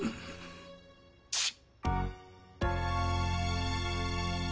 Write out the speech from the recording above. チッ！